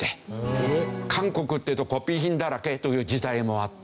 韓国っていうとコピー品だらけという時代もあった。